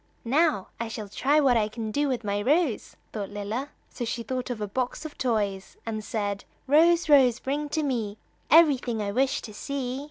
"Now, I shall try what I can do with my rose," thought Lilla. So she thought of a box of toys, and said: "Rose, Rose, bring to me Everything I wish to see."